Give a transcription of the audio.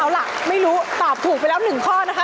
เอาล่ะไม่รู้ตอบถูกไปแล้ว๑ข้อนะคะ